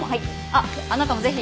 あっあなたもぜひ。